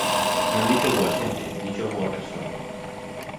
Non dixo boa xente, dixo boa persoa.